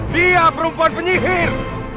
dia perempuan penyihir